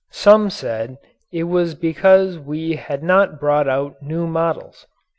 Some said it was because we had not brought out new models.